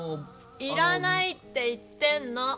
いらないって言ってんの。